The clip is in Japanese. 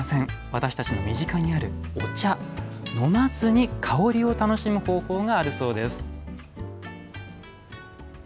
私たちの身近にあるお茶飲まずに香りを楽しむ方法があるそうです。